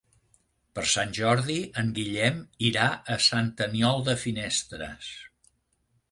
Per Sant Jordi en Guillem irà a Sant Aniol de Finestres.